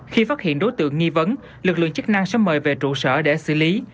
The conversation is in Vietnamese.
khi phát hiện đối tượng nghi vấn lực lượng chức năng sẽ mời về trụ sở để xử lý